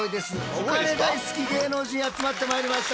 お金大好き芸能人集まってまいりました。